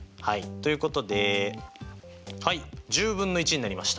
ということではい１０分の１になりました。